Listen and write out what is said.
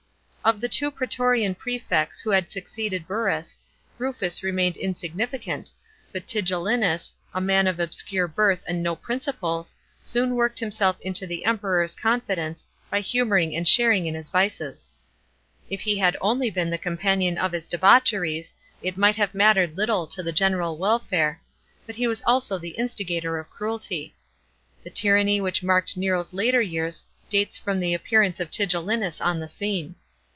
§ 9. Of the two prsetorian prefects who had succeeded Burrus, Rufus remained insignificant, but Tigellinus, a man of obscure birth and no principles, soon worked himself into the Emperor's confidence, by humouring and sharing in his vices. If he had only been the companion of his debaucheries, it might have mattered little to the general welfare, but he was also the instigator of cruelty. The tyranny which marked Nero's later years dates from the appearance of Tigellinus on the scene.